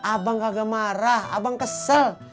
abang kagak marah abang kesel